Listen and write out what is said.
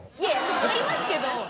やりますけど。